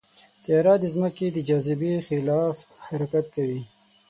طیاره د ځمکې د جاذبې خلاف حرکت کوي.